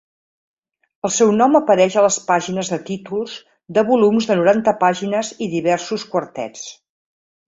El seu nom apareix a les pàgines de títols de volums de noranta pàgines i diversos quartets.